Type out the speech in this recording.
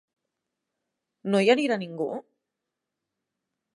No hi anirà ningú?